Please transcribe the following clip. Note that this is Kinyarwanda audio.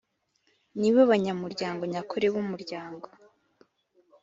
nibo banyamuryango nyakuri b’umuryango